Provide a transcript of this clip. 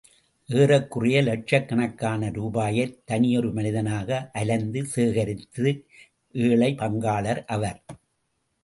ஏறக்குறைய லட்சக் கணக்கான ரூபாயைத் தனியொரு மனிதனாக அலைந்து சேகரித்த ஏழை பங்காளர் அவர்.